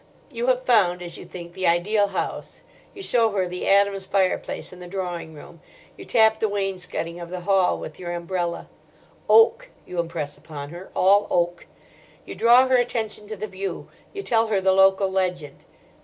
You have found, as you think, the ideal house. You show her the Adams fireplace in the drawing room. You tap the wainscoting of the hall with your umbrella: "Oak," you impress upon her, "all oak." You draw her attention to the view: you tell her the local legend.